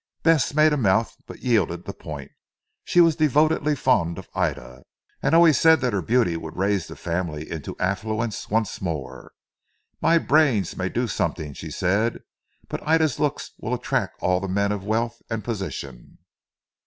Bess made a mouth but yielded the point. She was devotedly fond of Ida, and always said that her beauty would raise the family into affluence once more. "My brains may do something," she said, "but Ida's looks will attract all the men of wealth and position."